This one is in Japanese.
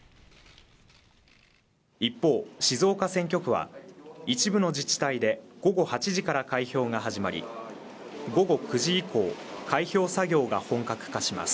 一方、静岡選挙区は一部の自治体で午後８時から開票が始まり、午後９時以降、開票作業が本格化します。